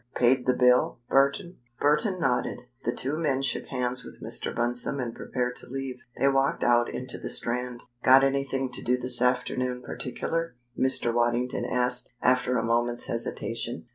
Paid the bill, Burton?" Burton nodded. The two men shook hands with Mr. Bunsome and prepared to leave. They walked out into the Strand. "Got anything to do this afternoon particular?" Mr. Waddington asked, after a moment's hesitation.